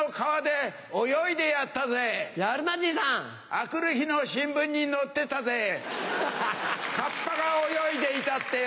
明くる日の新聞に載ってたぜカッパが泳いでいたってよ。